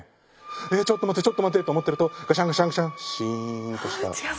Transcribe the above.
えっちょっと待ってちょっと待ってと思ってるとガシャンガシャンガシャンシーンとした。